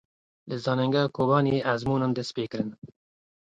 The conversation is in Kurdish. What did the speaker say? Li Zanîngeha Kobaniyê ezmûnan dest pê kirin.